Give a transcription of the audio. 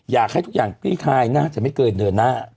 อยากให้ทุกอย่างคลี่คลายน่าจะไม่เกินเดือนหน้า